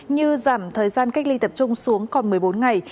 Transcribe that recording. như giảm thời gian cách ly tập trung xuống còn một mươi bốn ngày